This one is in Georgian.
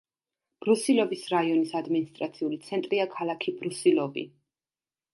ბრუსილოვის რაიონის ადმინისტრაციული ცენტრია ქალაქი ბრუსილოვი.